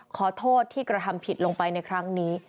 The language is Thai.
ขอโทษที่กระทำผิดลงไปในครั้งนี้